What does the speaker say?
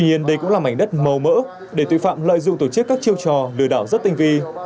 tuy nhiên đây cũng là mảnh đất màu mỡ để tội phạm lợi dụng tổ chức các chiêu trò lừa đảo rất tinh vi